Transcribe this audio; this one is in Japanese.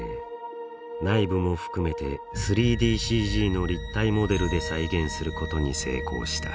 内部も含めて３ＤＣＧの立体モデルで再現することに成功した。